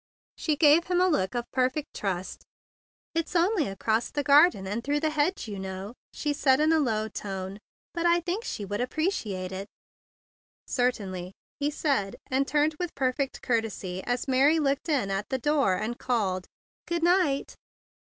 She gave him a look of perfect trust. "It's only across the garden and through the hedge, you know," she said in a low tone; "but I think she would appreciate it." "Certainly," he said, and turned with perfect courtesy as Mary looked in at the door and called, "Good night."